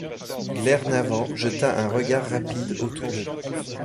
Glenarvan jeta un regard rapide autour de lui.